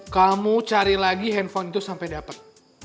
kamu cari lagi handphone itu sampe dapet